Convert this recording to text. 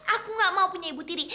aku gak mau punya ibu tiri